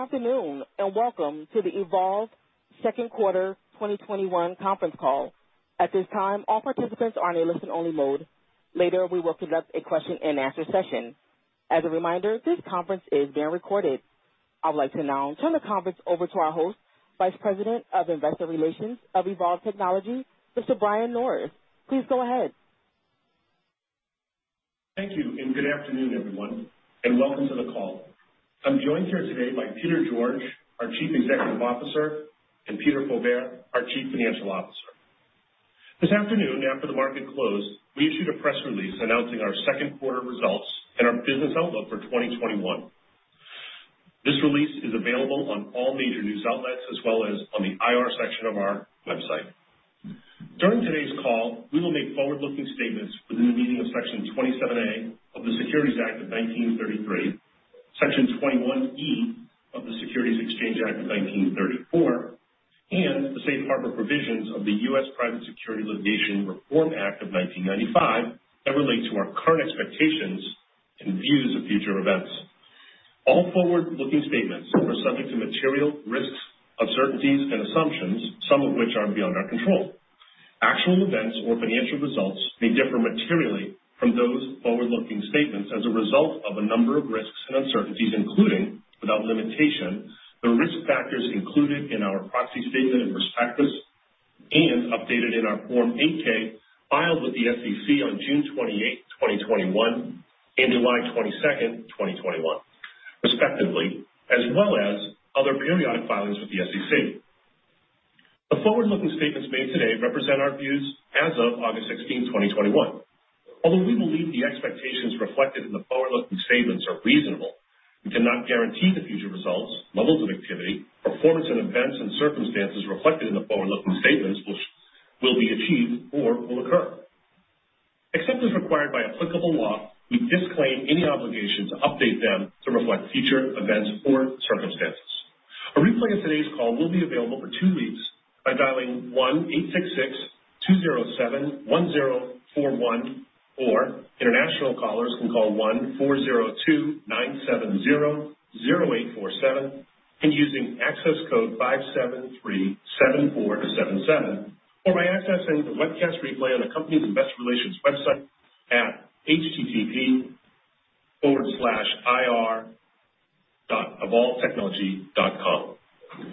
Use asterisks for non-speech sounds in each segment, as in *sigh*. Good afternoon, and welcome to the Evolv Second Quarter 2021 Conference Call. At this time, all participants are in a listen-only mode. Later, we will conduct a question and answer session. As a reminder, this conference is being recorded. I would like to now turn the conference over to our host, Vice President of Investor Relations of Evolv Technologies, Mr. Brian Norris. Please go ahead. Thank you. Good afternoon, everyone, and welcome to the call. I'm joined here today by Peter George, our Chief Executive Officer, and Peter Faubert, our Chief Financial Officer. This afternoon after the market closed, we issued a press release announcing our second quarter results and our business outlook for 2021. This release is available on all major news outlets as well as on the IR section of our website. During today's call, we will make forward-looking statements within the meaning of Section 27A of the Securities Act of 1933, Section 21E of the Securities Exchange Act of 1934, and the safe harbor provisions of the Private Securities Litigation Reform Act of 1995 that relate to our current expectations and views of future events. All forward-looking statements are subject to material risks, uncertainties, and assumptions, some of which are beyond our control. Actual events or financial results may differ materially from those forward-looking statements as a result of a number of risks and uncertainties, including, without limitation, the risk factors included in our proxy statement and prospectus and updated in our Form 8-K filed with the SEC on June 28, 2021, and July 22nd, 2021, respectively, as well as other periodic filings with the SEC. The forward-looking statements made today represent our views as of August 16, 2021. Although we believe the expectations reflected in the forward-looking statements are reasonable, we cannot guarantee the future results, levels of activity, performance, and events and circumstances reflected in the forward-looking statements which will be achieved or will occur. Except as required by applicable law, we disclaim any obligation to update them to reflect future events or circumstances. A replay of today's call will be available for two weeks by dialing 1-866-207-1041, or international callers can call 1-402-970-0847, and using access code 5737477, or by accessing the webcast replay on the company's investor relations website at http://ir.evolvtechnology.com.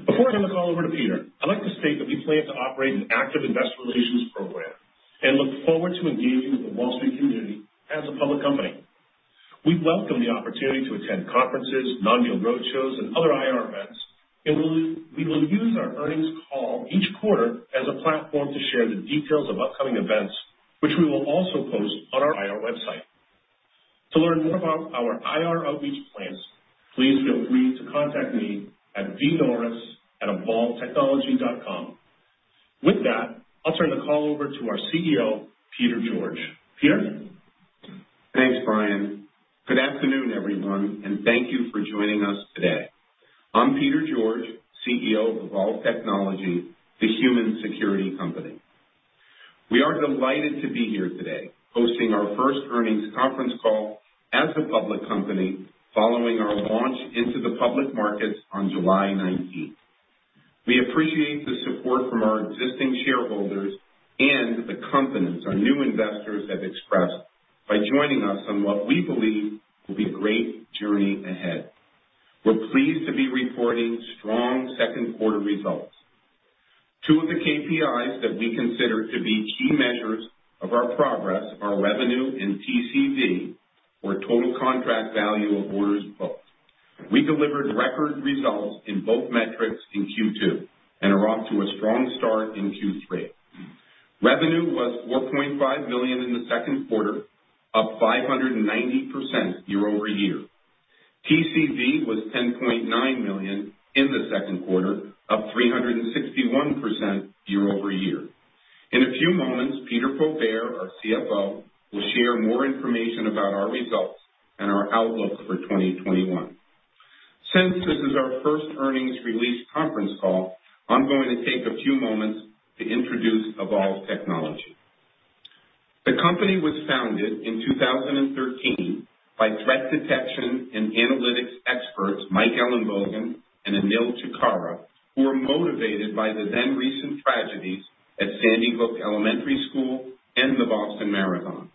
Before I hand the call over to Peter George, I'd like to state that we plan to operate an active investor relations program and look forward to engaging with the Wall Street community as a public company. We welcome the opportunity to attend conferences, non-deal roadshows, and other IR events, and we will use our earnings call each quarter as a platform to share the details of upcoming events, which we will also post on our IR website. To learn more about our IR outreach plans, please feel free to contact me at bnorris@evolvtechnology.com. With that, I'll turn the call over to our CEO, Peter George. Peter? Thanks, Brian. Good afternoon, everyone, and thank you for joining us today. I'm Peter George, CEO of Evolv Technologies, the human security company. We are delighted to be here today hosting our first earnings conference call as a public company following our launch into the public markets on July 19th. We appreciate the support from our existing shareholders and the confidence our new investors have expressed by joining us on what we believe will be a great journey ahead. We're pleased to be reporting strong second quarter results. Two of the KPIs that we consider to be key measures of our progress are revenue and TCV, or total contract value of orders booked. We delivered record results in both metrics in Q2 and are off to a strong start in Q3. Revenue was $4.5 million in the second quarter, up 590% year-over-year. TCV was $10.9 million in the second quarter, up 361% year-over-year. In a few moments, Peter Faubert, our CFO, will share more information about our results and our outlook for 2021. Since this is our first earnings release conference call, I'm going to take a few moments to introduce Evolv Technologies. The company was founded in 2013 by threat detection and analytics experts Mike Ellenbogen and Anil Chitkara, who were motivated by the then-recent tragedies at Sandy Hook Elementary School and the Boston Marathon.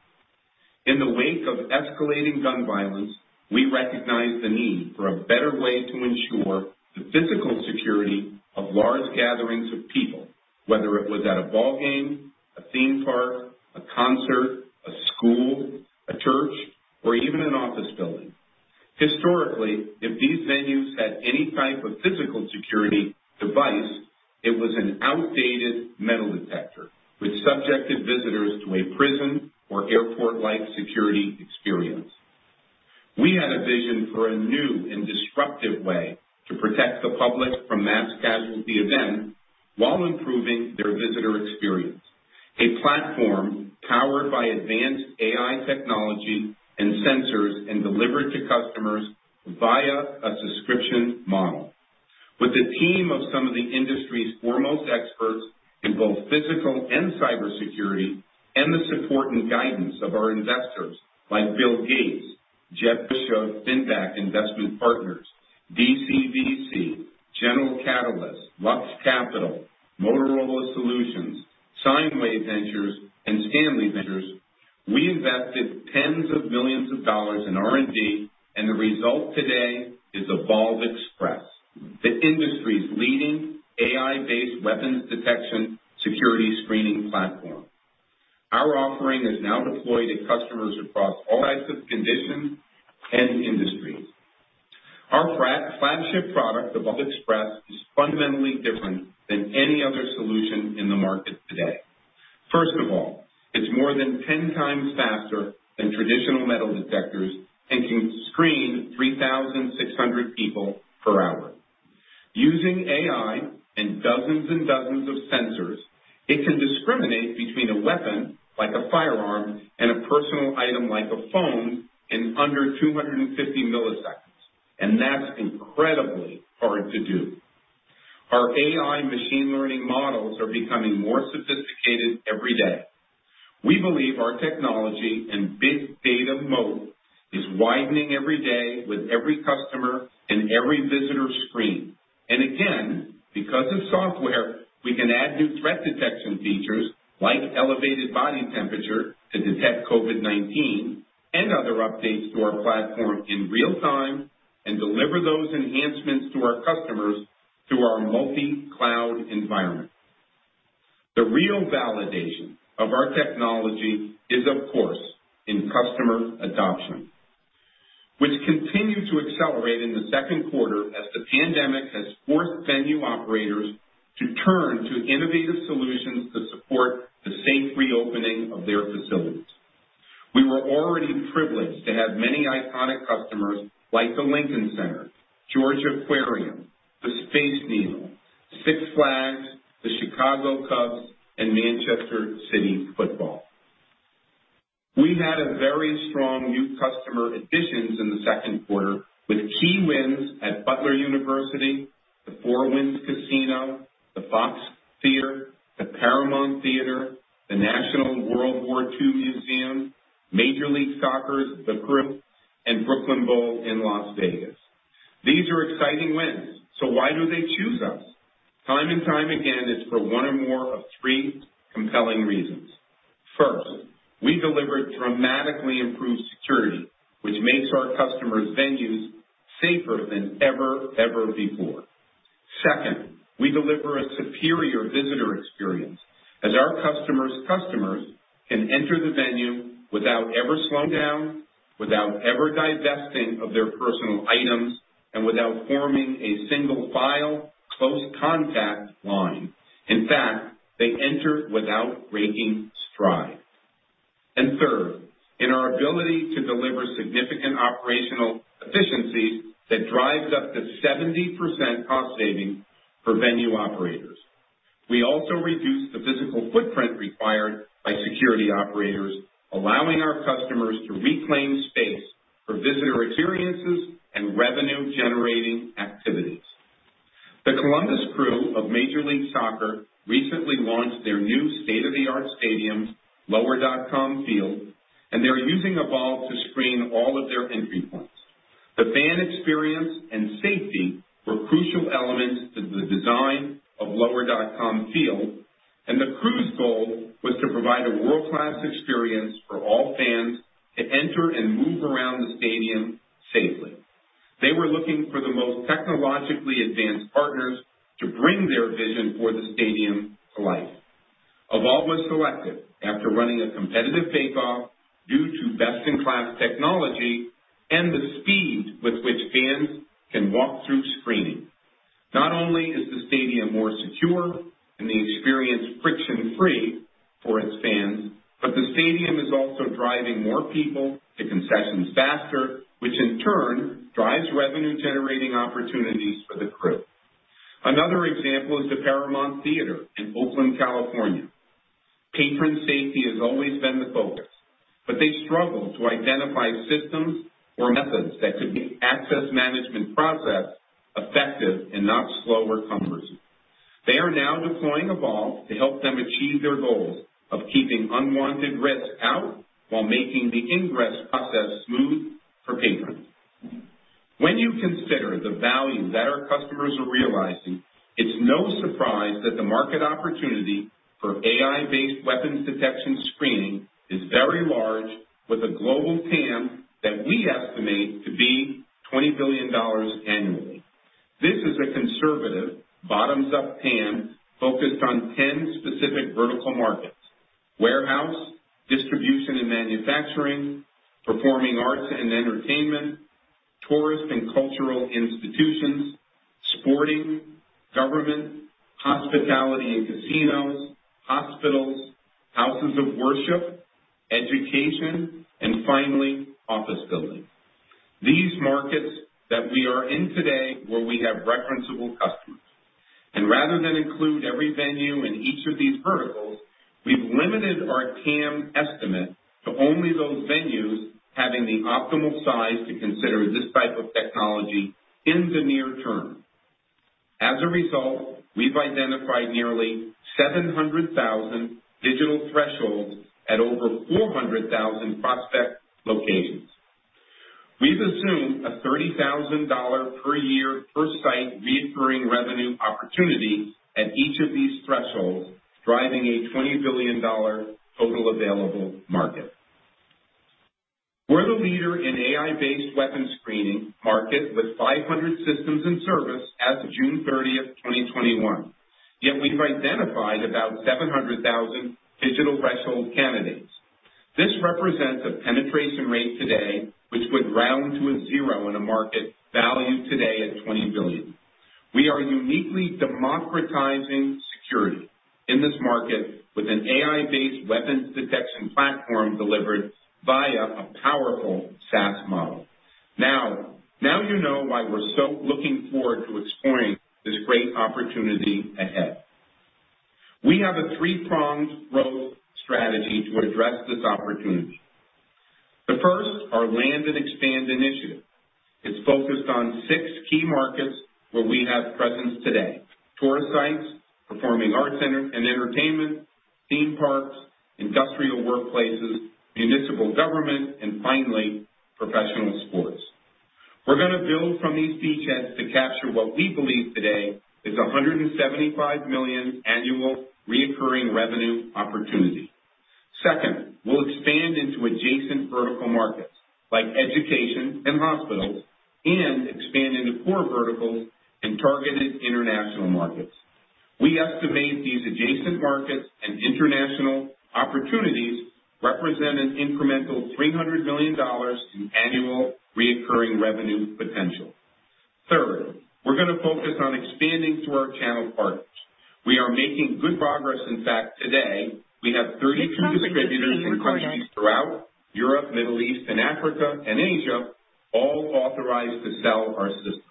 In the wake of escalating gun violence, we recognized the need for a better way to ensure the physical security of large gatherings of people, whether it was at a ball game, a theme park, a concert, a school, a church, or even an office building. Historically, if these venues had any type of physical security device, it was an outdated metal detector which subjected visitors to a prison or airport-like security experience. We had a vision for a new and disruptive way to protect the public from mass casualty events while improving their visitor experience. A platform powered by advanced AI technology and sensors and delivered to customers via a subscription model. With a team of some of the industry's foremost experts in both physical and cybersecurity, and the support and guidance of our investors like Bill Gates, Jeff Bishop, Finback Investment Partners, DCVC, General Catalyst, Lux Capital, Motorola Solutions, SineWave Ventures, and Stanley Ventures. We invested tens of millions of dollars in R&D, and the result today is Evolv Express, the industry's leading AI-based weapons detection security screening platform. Our offering is now deployed at customers across all types of conditions and industries. Our flagship product, Evolv Express, is fundamentally different than any other solution in the market today. First of all, it's more than 10 times faster than traditional metal detectors and can screen 3,600 people per hour. Using AI and dozens and dozens of sensors, it can discriminate between a weapon, like a firearm, and a personal item, like a phone, in under 250 milliseconds, and that's incredibly hard to do. Our AI machine learning models are becoming more sophisticated every day. We believe our technology and big data moat is widening every day with every customer and every visitor screen. Again, because of software, we can add new threat detection features, like elevated body temperature to detect COVID-19 and other updates to our platform in real time and deliver those enhancements to our customers through our multi-cloud environment. The real validation of our technology is, of course, in customer adoption, which continued to accelerate in the second quarter as the pandemic has forced venue operators to turn to innovative solutions to support the safe reopening of their facilities. We were already privileged to have many iconic customers like the Lincoln Center, Georgia Aquarium, the Space Needle, Six Flags, the Chicago Cubs, and Manchester City Football. We've had a very strong new customer additions in the second quarter, with key wins at Butler University, the Four Winds Casino, the Fox Theater, the Paramount Theater, the National World War II Museum, Major League Soccer's, the Crew, and Brooklyn Bowl in Las Vegas. These are exciting wins. Why do they choose us? Time and time again, it's for one or more of three compelling reasons. First, we deliver dramatically improved security, which makes our customers' venues safer than ever before. Second, we deliver a superior visitor experience as our customers' customers can enter the venue without ever slowing down, without ever divesting of their personal items, and without forming a single file close contact line. In fact, they enter without breaking stride. Third, in our ability to deliver significant operational efficiencies that drives up to 70% cost savings for venue operators. We also reduce the physical footprint required by security operators, allowing our customers to reclaim space for visitor experiences and revenue-generating activities. The Columbus Crew of Major League Soccer recently launched their new state-of-the-art stadium, Lower.com Field, they're using Evolv to screen all of their entry points. The fan experience and safety were crucial elements to the design of Lower.com Field. The Crew's goal was to provide a world-class experience for all fans to enter and move around the stadium safely. They were looking for the most technologically advanced partners to bring their vision for the stadium to life. Evolv was selected after running a competitive bake-off due to best-in-class technology and the speed with which fans can walk through screening. Not only is the stadium more secure and the experience friction-free for its fans, the stadium is also driving more people to concessions faster, which in turn drives revenue-generating opportunities for the Crew. Another example is the Paramount Theater in Oakland, California. Patron safety has always been the focus. They struggle to identify systems or methods that could make access management process effective and not slow or cumbersome. They are now deploying Evolv to help them achieve their goals of keeping unwanted risks out while making the ingress process smooth for patrons. When you consider the value that our customers are realizing, it's no surprise that the market opportunity for AI-based weapons detection screening is very large, with a global TAM that we estimate to be $20 billion annually. This is a conservative bottoms-up TAM focused on 10 specific vertical markets. Warehouse, distribution, and manufacturing, performing arts and entertainment, tourist and cultural institutions, sporting, government, hospitality and casinos, hospitals, houses of worship, education, and finally, office buildings. These markets that we are in today, where we have referenceable customers. Rather than include every venue in each of these verticals, we've limited our TAM estimate to only those venues having the optimal size to consider this type of technology in the near term. As a result, we've identified nearly 700,000 digital thresholds at over 400,000 prospect locations. We've assumed a $30,000 per year per site recurring revenue opportunity at each of these thresholds, driving a $20 billion total available market. We're the leader in AI-based weapons screening market with 500 systems in service as of June 30th, 2021. We've identified about 700,000 digital threshold candidates. This represents a penetration rate today, which would round to a zero in a market valued today at $20 billion. We are uniquely democratizing security in this market with an AI-based weapons detection platform delivered via a powerful SaaS model. You know why we're so looking forward to exploring this great opportunity ahead. We have a three-pronged growth strategy to address this opportunity. The first, our land and expand initiative. It's focused on six key markets where we have presence today. Tourist sites, performing arts center and entertainment, theme parks, industrial workplaces, municipal government, and finally, professional sports. We're going to build from these beachheads to capture what we believe today is $175 million annual recurring revenue opportunity. Second, we'll expand into adjacent vertical markets like education and hospitals and expand into core verticals and targeted international markets. We estimate these adjacent markets and international opportunities represent an incremental $300 million in annual recurring revenue potential. Third, we're going to focus on expanding through our channel partners. We are making good progress. In fact, today, we have 32 distributors *crosstalk* throughout Europe, Middle East and Africa, and Asia, all authorized to sell our systems.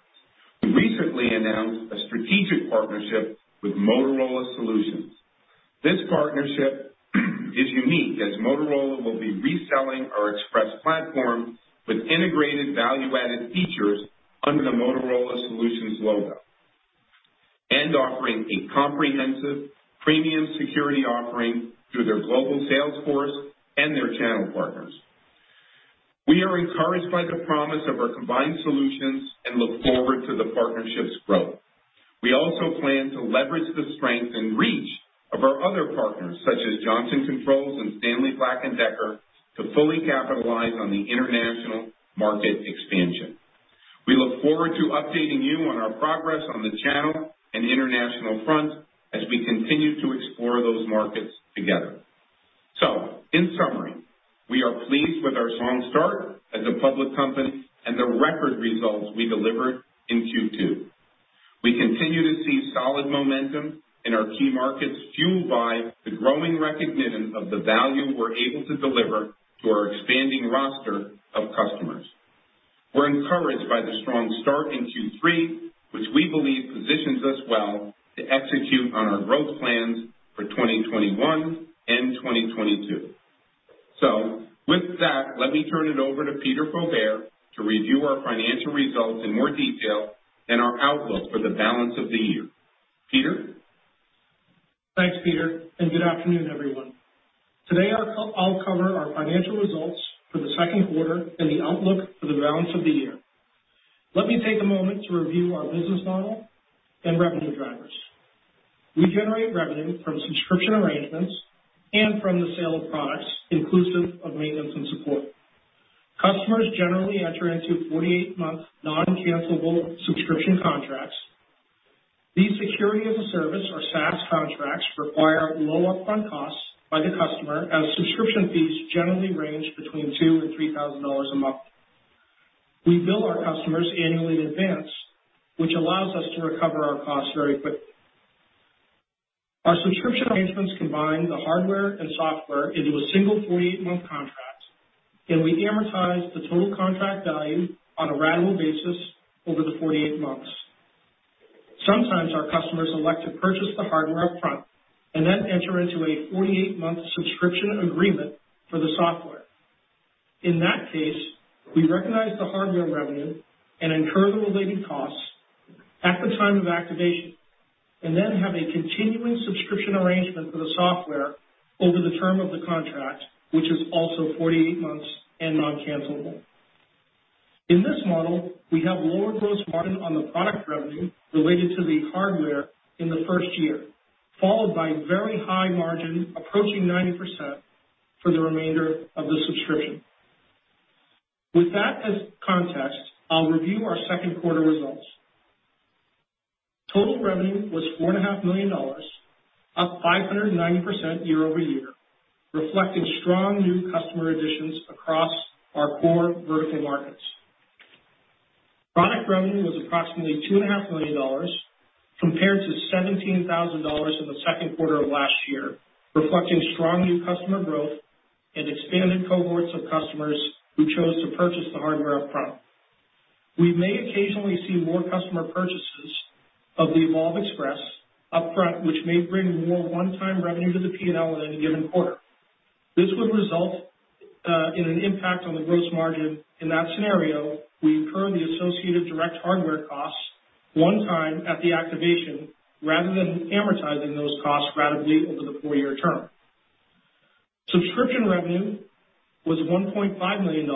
We recently announced a strategic partnership with Motorola Solutions. This partnership is unique as Motorola will be reselling our Express platform with integrated value-added features under the Motorola Solutions logo and offering a comprehensive premium security offering through their global sales force and their channel partners. We are encouraged by the promise of our combined solutions and look forward to the partnership's growth. We also plan to leverage the strength and reach of our other partners, such as Johnson Controls and Stanley Black & Decker, to fully capitalize on the international market expansion. We look forward to updating you on our progress on the channel and international front as we continue to explore those markets together. In summary, we are pleased with our strong start as a public company and the record results we delivered in Q2. We continue to see solid momentum in our key markets, fueled by the growing recognition of the value we're able to deliver to our expanding roster of customers. We're encouraged by the strong start in Q3, which we believe positions us well to execute on our growth plans for 2021 and 2022. With that, let me turn it over to Peter Faubert to review our financial results in more detail and our outlook for the balance of the year. Peter? Thanks, Peter, and good afternoon, everyone. Today, I'll cover our financial results for the second quarter and the outlook for the balance of the year. Let me take a moment to review our business model and revenue drivers. We generate revenue from subscription arrangements and from the sale of products inclusive of maintenance and support. Customers generally enter into 48-month non-cancelable subscription contracts. These security as a service or SaaS contracts require low upfront costs by the customer, as subscription fees generally range between $2,000 and $3,000 a month. We bill our customers annually in advance, which allows us to recover our costs very quickly. Our subscription arrangements combine the hardware and software into a single 48-month contract, and we amortize the total contract value on a gradual basis over the 48 months. Sometimes our customers elect to purchase the hardware up front and then enter into a 48-month subscription agreement for the software. In that case, we recognize the hardware revenue and incur the related costs at the time of activation and then have a continuing subscription arrangement for the software over the term of the contract, which is also 48 months and non-cancelable. In this model, we have lower gross margin on the product revenue related to the hardware in the first year, followed by very high margin, approaching 90%, for the remainder of the subscription. With that as context, I'll review our second quarter results. Total revenue was $4.5 million, up 590% year-over-year, reflecting strong new customer additions across our core vertical markets. Product revenue was approximately $2.5 million, compared to $17,000 in the second quarter of last year, reflecting strong new customer growth and expanded cohorts of customers who chose to purchase the hardware upfront. We may occasionally see more customer purchases of the Evolv Express upfront, which may bring more one-time revenue to the P&L in any given quarter. This would result in an impact on the gross margin. In that scenario, we incur the associated direct hardware costs one time at the activation rather than amortizing those costs ratably over the four-year term. Subscription revenue was $1.5 million,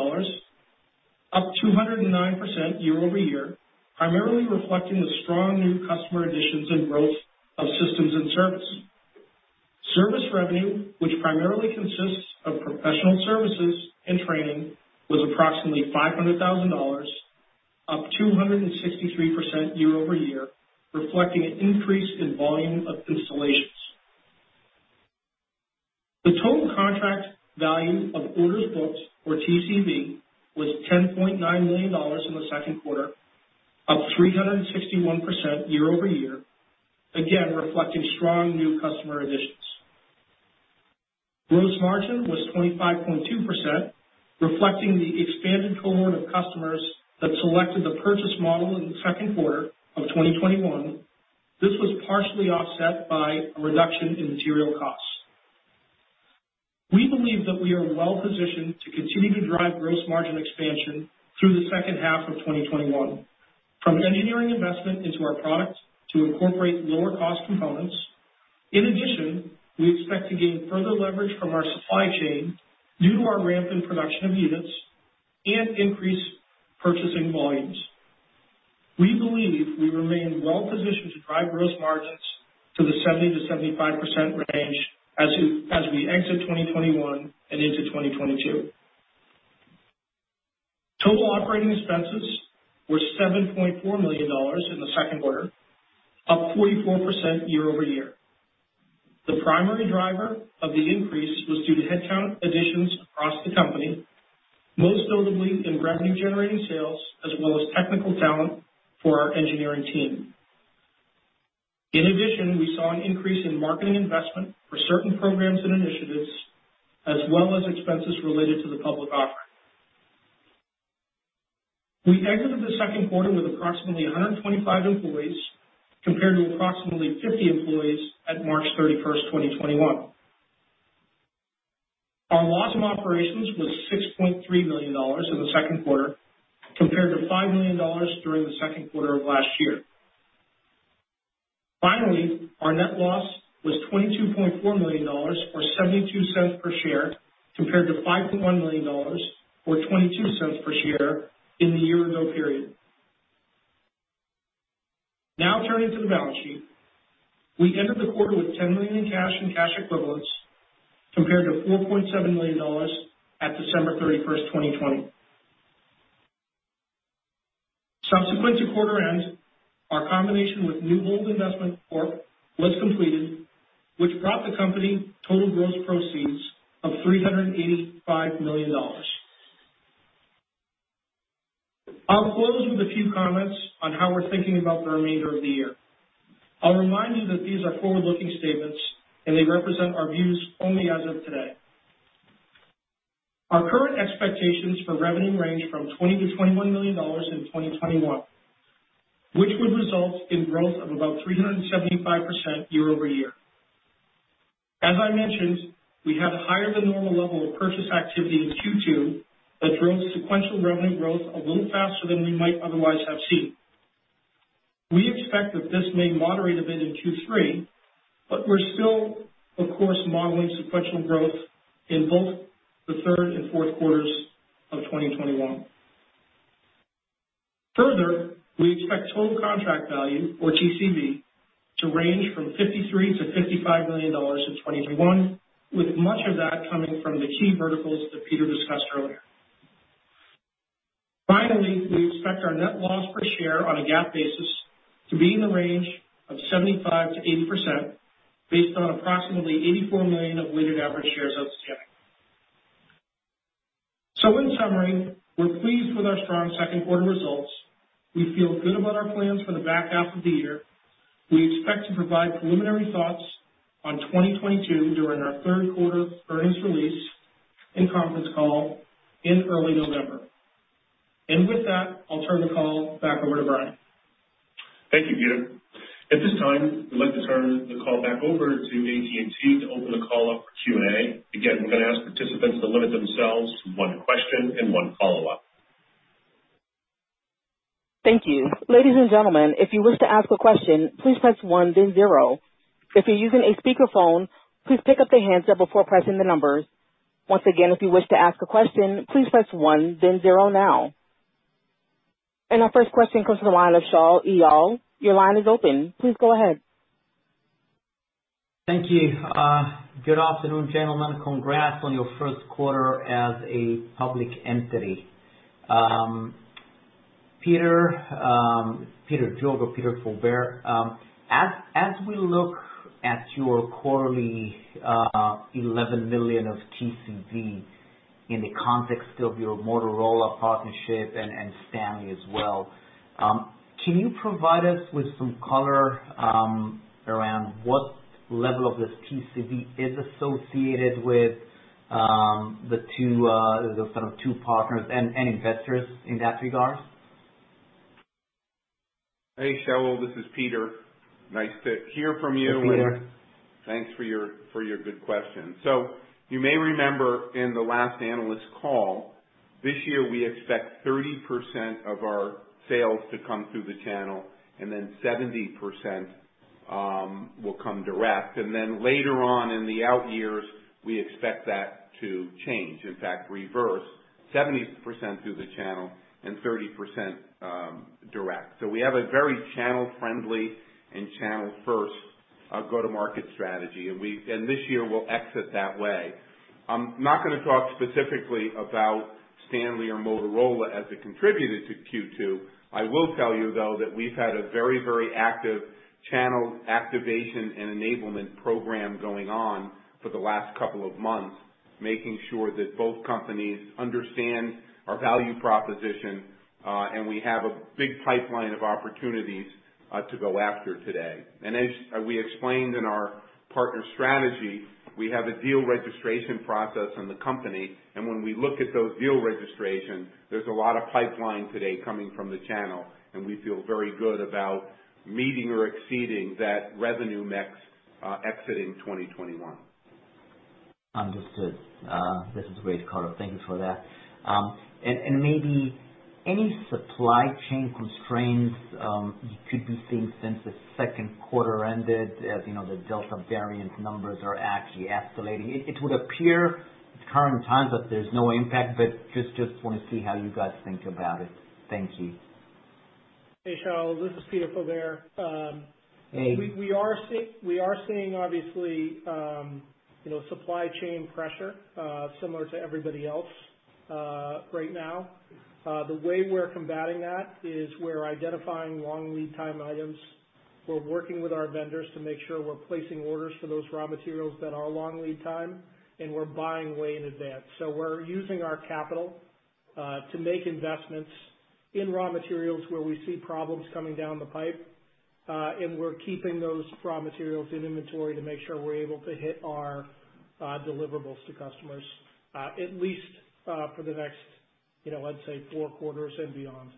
up 209% year-over-year, primarily reflecting the strong new customer additions and growth of systems and service. Service revenue, which primarily consists of professional services and training, was approximately $500,000, up 263% year-over-year, reflecting an increase in volume of installations. The total contract value of orders booked or TCV was $10.9 million in the second quarter, up 361% year-over-year, again, reflecting strong new customer additions. Gross margin was 25.2%, reflecting the expanded cohort of customers that selected the purchase model in the second quarter of 2021. This was partially offset by a reduction in material costs. We believe that we are well-positioned to continue to drive gross margin expansion through the second half of 2021, from engineering investment into our product to incorporate lower-cost components. In addition, we expect to gain further leverage from our supply chain due to our ramp in production of units and increased purchasing volumes. We believe we remain well-positioned to drive gross margins to the 70%-75% range as we exit 2021 and into 2022. Total operating expenses were $7.4 million in the second quarter, up 44% year-over-year. The primary driver of the increase was due to headcount additions across the company, most notably in revenue-generating sales, as well as technical talent for our engineering team. In addition, we saw an increase in marketing investment for certain programs and initiatives, as well as expenses related to the public offering. We exited the second quarter with approximately 125 employees, compared to approximately 50 employees at March 31st, 2021. Our loss in operations was $6.3 million in the second quarter, compared to $5 million during the second quarter of last year. Finally, our net loss was $22.4 million or $0.72 per share, compared to $5.1 million or $0.22 per share in the year-ago period. Now turning to the balance sheet. We ended the quarter with $10 million cash and cash equivalents, compared to $4.7 million at December 31st, 2020. Subsequent to quarter end, our combination with NewHold Investment Corp. was completed, which brought the company total gross proceeds of $385 million. I'll close with a few comments on how we're thinking about the remainder of the year. I'll remind you that these are forward-looking statements, and they represent our views only as of today. Our current expectations for revenue range from $20 million-$21 million in 2021, which would result in growth of about 375% year-over-year. As I mentioned, we had a higher-than-normal level of purchase activity in Q2 that drove sequential revenue growth a little faster than we might otherwise have seen. We expect that this may moderate a bit in Q3, but we're still, of course, modeling sequential growth in both the third and fourth quarters of 2021. We expect total contract value or TCV to range from $53 million-$55 million in 2021, with much of that coming from the key verticals that Peter discussed earlier. We expect our net loss per share on a GAAP basis to be in the range of 75%-80%, based on approximately 84 million of weighted average shares outstanding. In summary, we're pleased with our strong second quarter results. We feel good about our plans for the back half of the year. We expect to provide preliminary thoughts on 2022 during our third quarter earnings release and conference call in early November. With that, I'll turn the call back over to Brian. Thank you, Peter. At this time, we'd like to turn the call back over to AT&T to open the call up for Q&A. We're going to ask participants to limit themselves to one question and one follow-up. Thank you. Ladies and gentlemen, if you wish to ask a question, please press one then zero. If you're using a speakerphone, please pick up the handset before pressing the numbers. Once again, if you wish to ask a question, please press one then zero now. Our first question comes from the line of Shaul Eyal. Your line is open. Please go ahead. Thank you. Good afternoon, gentlemen. Congrats on your first quarter as a public entity. Peter George or Peter Faubert, as we look at your quarterly $11 million of TCV. In the context of your Motorola partnership and Stanley as well, can you provide us with some color around what level of this TCV is associated with the two partners and investors in that regard? Hey, Shaul, this is Peter. Nice to hear from you. Yeah. Peter Thanks for your good question. You may remember in the last analyst call, this year, we expect 30% of our sales to come through the channel, and then 70% will come direct. Later on in the out years, we expect that to change, in fact, reverse. 70% through the channel and 30% direct. We have a very channel-friendly and channel-first go-to-market strategy. This year we'll exit that way. I'm not going to talk specifically about Stanley or Motorola as a contributor to Q2. I will tell you, though, that we've had a very active channel activation and enablement program going on for the last couple of months, making sure that both companies understand our value proposition. We have a big pipeline of opportunities to go after today. As we explained in our partner strategy, we have a deal registration process in the company. When we look at those deal registrations, there is a lot of pipeline today coming from the channel. We feel very good about meeting or exceeding that revenue mix exiting 2021. Understood. This is great color. Thank you for that. Maybe any supply chain constraints you could be seeing since the second quarter ended, as the Delta variant numbers are actually escalating. It would appear at current times that there's no impact, but just want to see how you guys think about it. Thank you. Hey, Shaul, this is Peter Faubert. Hey. We are seeing, obviously, supply chain pressure, similar to everybody else right now. The way we're combating that is we're identifying long lead time items. We're working with our vendors to make sure we're placing orders for those raw materials that are long lead time, and we're buying way in advance. We're using our capital to make investments in raw materials where we see problems coming down the pipe. We're keeping those raw materials in inventory to make sure we're able to hit our deliverables to customers at least for the next I'd say four quarters and beyond.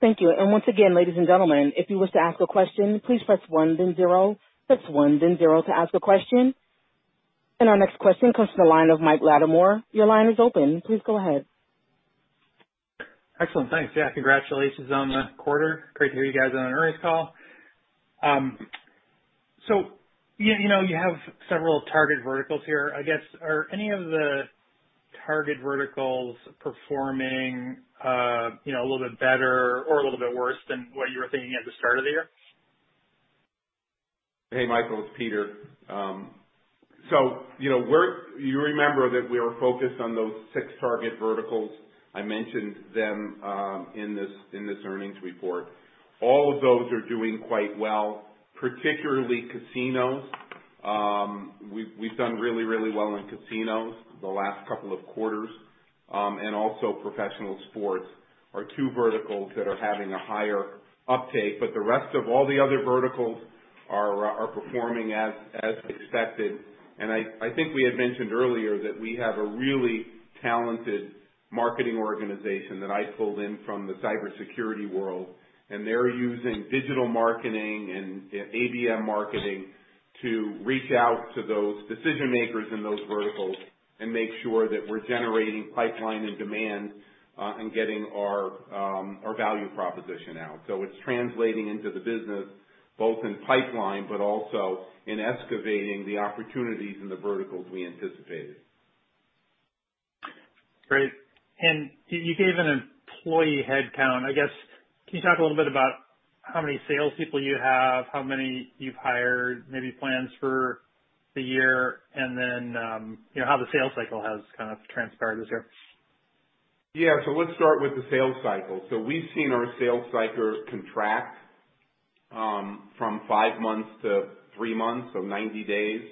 Thank you, and once again, ladies and gentlemen, if you wish to ask a question, please press one, then zero. Press one, then zero to ask a question. Thank you. Our next question comes from the line of Mike Latimore. Your line is open. Please go ahead. Excellent. Thanks. Yeah, congratulations on the quarter. Great to hear you guys on the earnings call. You have several target verticals here. I guess, are any of the target verticals performing a little bit better or a little bit worse than what you were thinking at the start of the year? Hey, Michael, it's Peter. You remember that we are focused on those six target verticals. I mentioned them in this earnings report. All of those are doing quite well, particularly casinos. We've done really well in casinos the last couple of quarters. Also professional sports are two verticals that are having a higher uptake, but the rest of all the other verticals are performing as expected. I think we had mentioned earlier that we have a really talented marketing organization that I pulled in from the cybersecurity world, and they're using digital marketing and ABM marketing to reach out to those decision makers in those verticals and make sure that we're generating pipeline and demand, and getting our value proposition out. It's translating into the business both in pipeline, but also in excavating the opportunities in the verticals we anticipated. Great. You gave an employee headcount, I guess, can you talk a little bit about how many salespeople you have, how many you've hired, maybe plans for the year, and then how the sales cycle has kind of transpired this year? Let's start with the sales cycle. We've seen our sales cycle contract from five months to three months, 90 days.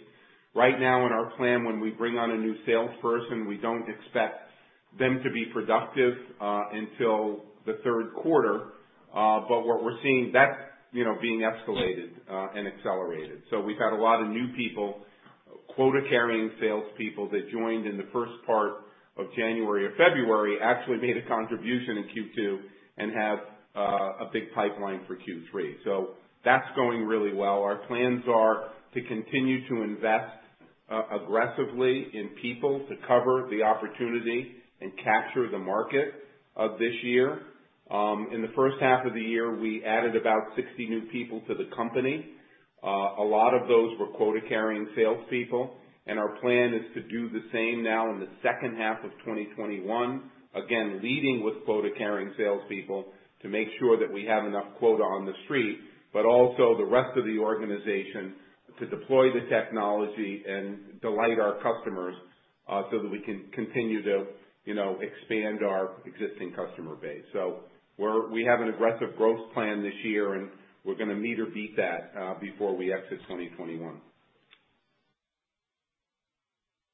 Right now in our plan, when we bring on a new salesperson, we don't expect them to be productive until the third quarter. What we're seeing, that's being escalated and accelerated. We've had a lot of new people, quota-carrying salespeople that joined in the first part of January or February, actually made a contribution in Q2 and have a big pipeline for Q3. That's going really well. Our plans are to continue to invest aggressively in people to cover the opportunity and capture the market of this year. In the first half of the year, we added about 60 new people to the company. A lot of those were quota-carrying salespeople, and our plan is to do the same now in the second half of 2021. Again, leading with quota-carrying salespeople to make sure that we have enough quota on the street, but also the rest of the organization to deploy the technology and delight our customers. That we can continue to expand our existing customer base. We have an aggressive growth plan this year, and we're going to meet or beat that before we exit 2021.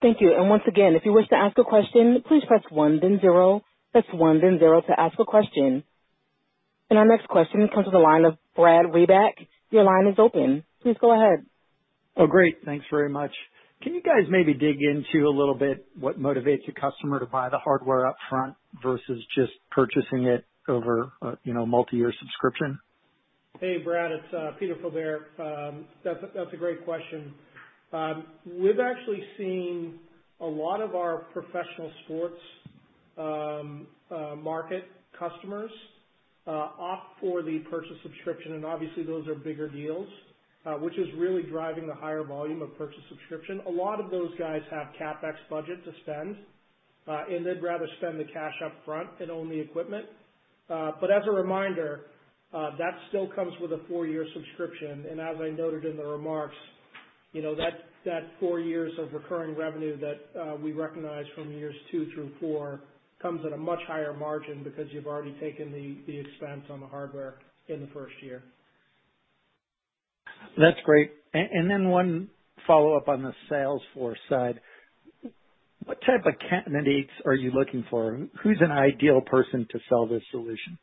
Thank you. Once again, if you wish to ask a question, please press one, then zero. That's one, then zero to ask a question. Our next question comes to the line of Brad Reback. Your line is open. Please go ahead. Oh, great. Thanks very much. Can you guys maybe dig into a little bit what motivates your customer to buy the hardware up front versus just purchasing it over a multi-year subscription? Hey, Brad, it's Peter Faubert. That's a great question. We've actually seen a lot of our professional sports market customers opt for the purchase subscription. Obviously those are bigger deals, which is really driving the higher volume of purchase subscription. A lot of those guys have CapEx budget to spend. They'd rather spend the cash up front and own the equipment. As a reminder, that still comes with a four-year subscription. As I noted in the remarks, that four years of recurring revenue that we recognize from years two through four comes at a much higher margin because you've already taken the expense on the hardware in the first year. That's great. One follow-up on the sales floor side. What type of candidates are you looking for? Who's an ideal person to sell this solution?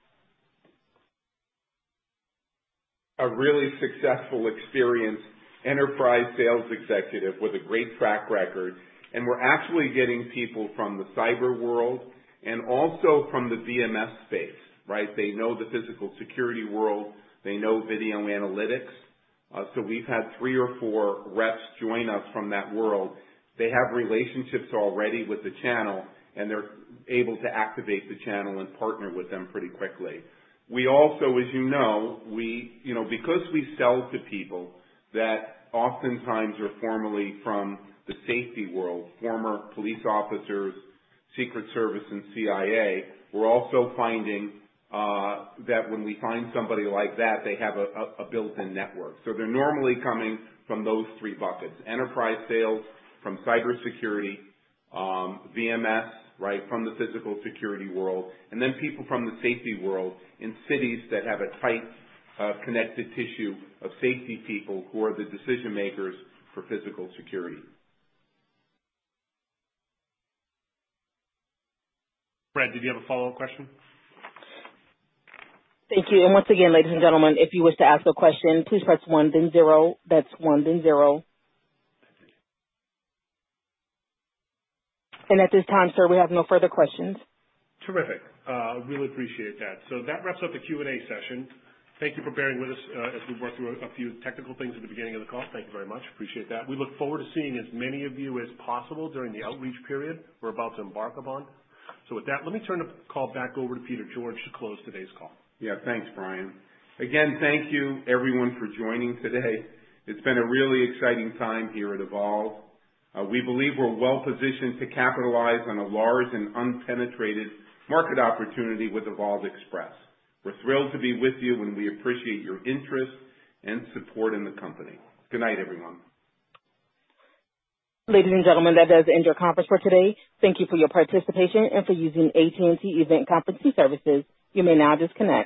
A really successful experienced enterprise sales executive with a great track record. We're actually getting people from the cyber world and also from the VMS space. They know the physical security world. They know video analytics. We've had three or four reps join us from that world. They have relationships already with the channel, and they're able to activate the channel and partner with them pretty quickly. We also, as you know, because we sell to people that oftentimes are formerly from the safety world, former police officers, Secret Service, and CIA, we're also finding that when we find somebody like that, they have a built-in network. They're normally coming from those three buckets, enterprise sales from cybersecurity, VMS from the physical security world, and then people from the safety world in cities that have a tight connected tissue of safety people who are the decision-makers for physical security. Brad, did you have a follow-up question? Thank you. Once again, ladies and gentlemen, if you wish to ask a question, please press one, then zero. That's one, then zero. At this time, sir, we have no further questions. Terrific. Really appreciate that. That wraps up the Q&A session. Thank you for bearing with us as we worked through a few technical things at the beginning of the call. Thank you very much. Appreciate that. We look forward to seeing as many of you as possible during the outreach period we're about to embark upon. With that, let me turn the call back over to Peter George to close today's call. Yeah. Thanks, Brian. Again, thank you everyone for joining today. It's been a really exciting time here at Evolv. We believe we're well-positioned to capitalize on a large and unpenetrated market opportunity with Evolv Express. We're thrilled to be with you, and we appreciate your interest and support in the company. Good night, everyone. Ladies and gentlemen, that does end your conference for today. Thank you for your participation and for using AT&T Event Conference Services. You may now disconnect.